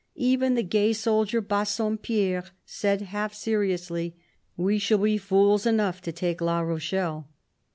Even the gay soldier Bassompierre said half seriously, "We shall be fools enough to take La Rochelle!"